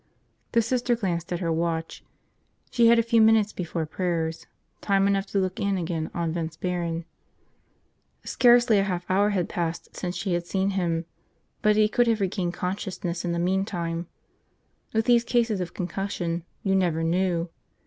The Sister glanced at her watch. She had a few minutes before prayers, time enough to look in again on Vince Barron. Scarcely a half hour had passed since she had seen him, but he could have regained consciousness in the meantime. With these cases of concussion, you never knew.